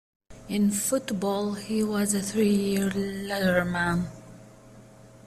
In football, he was a three-year letterman.